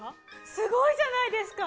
すごいじゃないですか。